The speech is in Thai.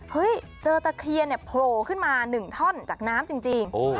เจอตะเคียนเนี่ยโผล่ขึ้นมา๑ท่อนจากน้ำจริง